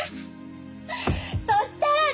そしたらね！